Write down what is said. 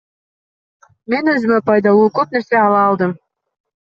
Мен өзүмө пайдалуу көп нерсе ала алдым.